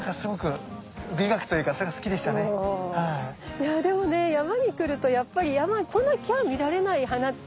いやでもね山に来るとやっぱり山に来なきゃ見られない花ってありますよね。